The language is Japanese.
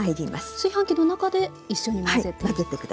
炊飯器の中で一緒に混ぜていく。